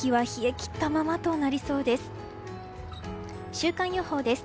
週間予報です。